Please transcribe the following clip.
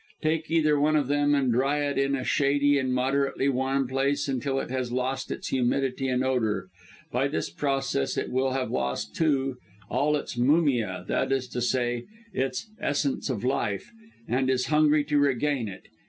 Take either one of them, and dry it in a shady and moderately warm place, until it has lost its humidity and odour. By this process it will have lost, too, all its mumia that is to say, its essence of life and is hungry to regain it.